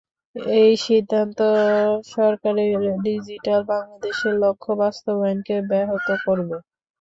এই সিদ্ধান্ত সরকারের ডিজিটাল বাংলাদেশের লক্ষ্য বাস্তবায়নকে ব্যাহত করবে।